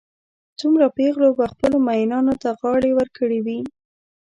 څومره پېغلو به خپلو مئینانو ته غاړې ورکړې وي.